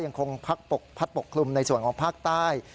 ยังคงพัดปกคลุมในส่วนของภาคใต้